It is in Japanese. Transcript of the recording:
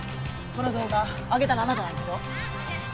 この動画あげたのあなたなんでしょ？